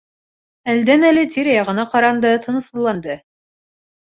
Әлдән-әле тирә-яғына ҡаранды, тынысһыҙланды.